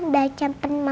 udah campur mama